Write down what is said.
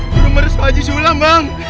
belum meresap haji sulam bang